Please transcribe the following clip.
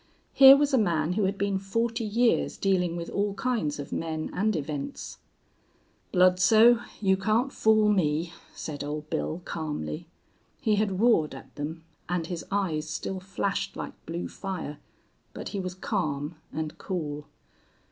Here was a man who had been forty years dealing with all kinds of men and events. "Bludsoe, you can't fool me," said old Bill, calmly. He had roared at them, and his eyes still flashed like blue fire, but he was calm and cool.